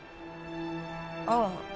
ああ。